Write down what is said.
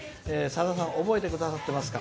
さださん覚えてくださってますか」。